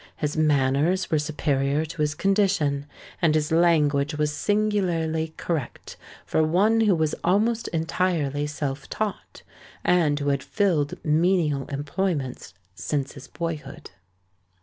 His manners were superior to his condition; and his language was singularly correct for one who was almost entirely self taught, and who had filled menial employments since his boyhood.